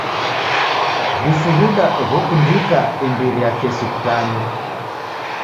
W'ushuda ghokundika imbiri ya kesi kutanywa.